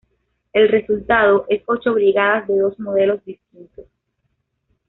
El resultado es ocho brigadas de dos modelos distintos.